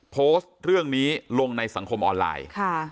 โพสต์เรื่องนี้ลงในสังคมออนไลน์